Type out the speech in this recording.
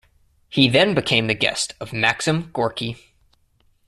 He then became the guest of Maxim Gorky.